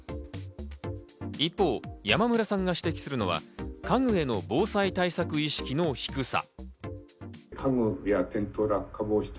一方、山村さんが指摘するのは、家具への防災対策意識の低さ。